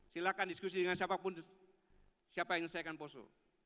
silakan diskusi dengan siapapun siapa yang menyelesaikan polso